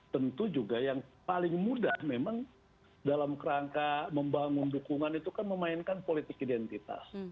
tentu juga yang paling mudah memang dalam kerangka membangun dukungan itu kan memainkan politik identitas